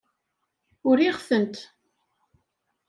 Uriɣ-tent.